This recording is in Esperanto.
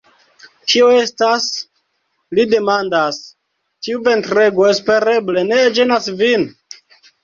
Kio estas?li demandas. Tiu ventrego espereble ne ĝenas vin?